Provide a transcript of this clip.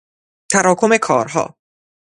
تراکم کارها